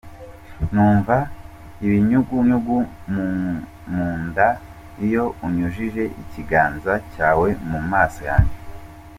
Numva ibinyugunyugu mu nda iyo unyujije ikiganza cyawe mu maso yanjye.